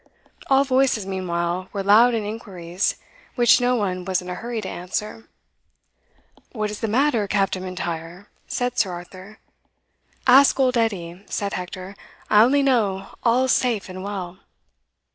All voices meanwhile were loud in inquiries, which no one was in a hurry to answer. "What is the matter, Captain M'Intyre?" said Sir Arthur. "Ask old Edie," said Hector; "I only know all's safe and well."